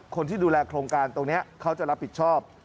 คนที่ดูแลโครงการตรงนี้เขาจะรับผิดชอบ